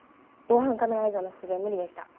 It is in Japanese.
防犯カメラ映像の復元無理でした。